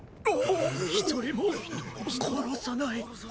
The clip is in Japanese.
一人も殺さない。